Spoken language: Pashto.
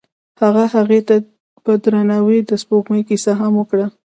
هغه هغې ته په درناوي د سپوږمۍ کیسه هم وکړه.